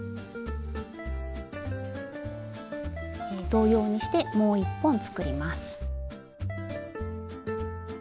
同様にしてもう一本作ります。